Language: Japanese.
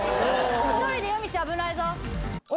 １人で夜道危ないぞ！